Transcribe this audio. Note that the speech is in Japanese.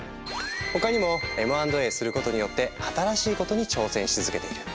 他にもＭ＆Ａすることによって新しいことに挑戦し続けている。